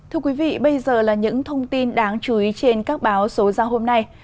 thưa quý vị bây giờ là những thông tin đáng chú ý trên các báo số giao hôm nay